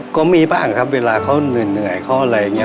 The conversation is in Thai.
ก็มีบ้างครับเวลาเขาเหนื่อยเขาอะไรอย่างนี้